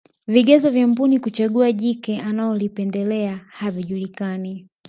vigezo vya mbuni kuchagua jike analolipendelea havijulikani